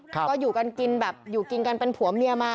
ก็อยู่กันกินแบบอยู่กินกันเป็นผัวเมียมา